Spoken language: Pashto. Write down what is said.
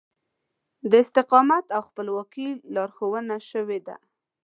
د استقامت او خپلواکي لارښوونه شوې ده.